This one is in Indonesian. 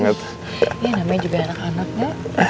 saya mengantarkan diri saya atau tanpa ya